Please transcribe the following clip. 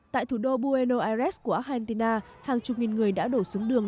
tại thủ đô buenos aires của argentina hàng chục nghìn người đã đổ xuống đường